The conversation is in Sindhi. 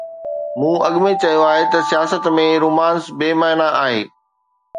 مون اڳ ۾ چيو آهي ته سياست ۾ رومانس بي معنيٰ آهي.